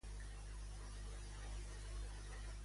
Per quina raó en Takashi vol fer una carrera amb en Sean?